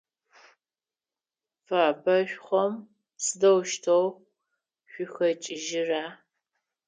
Фэбэшхом сыдэущтэу шъухэкIыжьрэ?